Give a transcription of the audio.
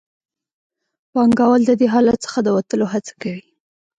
پانګوال د دې حالت څخه د وتلو هڅه کوي